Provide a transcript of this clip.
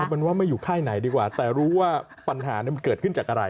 เป็นว่าไม่อยู่ค่ายไหนดีกว่าแต่รู้ว่าปัญหามันเกิดขึ้นจากอะไร